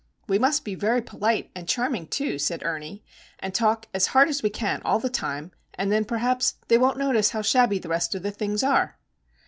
"We must be very polite and charming, too," said Ernie, "and talk as hard as we can all the time, and then perhaps they won't notice how shabby the rest of the things are."